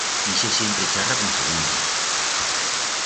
Ixe siempre charra con segundas!